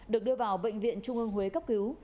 được đưa vào bệnh viện trung ương huế cấp cứu